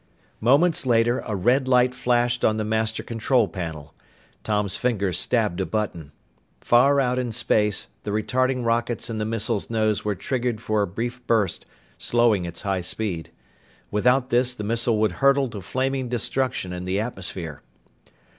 Moments later, a red light flashed on the master control panel. Tom's finger stabbed a button. Far out in space, the retarding rockets in the missile's nose were triggered for a brief burst, slowing its high speed. Without this, the missile would hurtle to flaming destruction in the atmosphere.